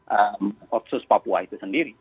opsus papua itu sendiri